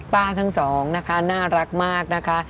ทั้งสองนะคะน่ารักมากนะคะ